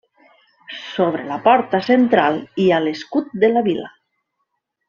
Sobre la porta central hi ha l'escut de la vila.